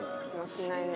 着ないね。